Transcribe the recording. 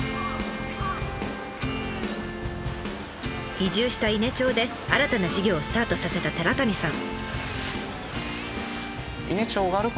移住した伊根町で新たな事業をスタートさせた寺谷さん。